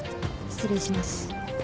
失礼します。